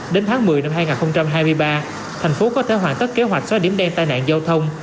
đến tháng một mươi năm hai nghìn hai mươi ba thành phố có thể hoàn tất kế hoạch xóa điểm đen tai nạn giao thông